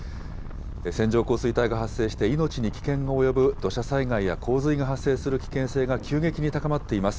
線状降水帯が発生して命に危険が及ぶ土砂災害や洪水が発生する危険性が急激に高まっています。